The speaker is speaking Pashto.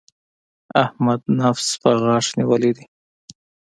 احمد نفس په غاښ نيولی دی.